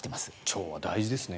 腸は大事ですね。